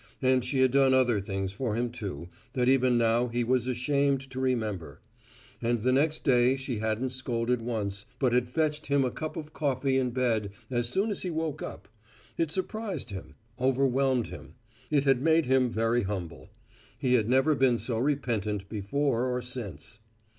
And she had done other things for him, too, that even now he was ashamed to remember. And the next day she hadn't scolded once, but had fetched him a cup of coffee in bed as soon as he woke up. It surprised him; overwhelmed him. It had made him very humble. He had never been so repentant before or since.